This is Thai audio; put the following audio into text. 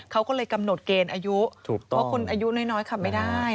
เขาก็เลยกำหนดเกณฑ์อายุเพราะคนอายุน้อยขับไม่ได้